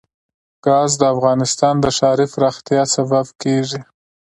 ګاز د افغانستان د ښاري پراختیا سبب کېږي.